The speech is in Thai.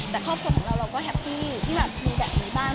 แต่ครอบครัวของเราเราก็แฮปปี้ที่แบบมีแบบนี้บ้าง